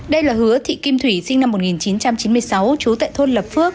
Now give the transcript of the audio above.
đây là hứa thị kim thủy sinh năm một nghìn chín trăm chín mươi sáu trú tại thôn lập phước